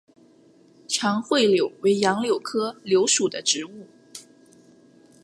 长穗柳为杨柳科柳属的植物。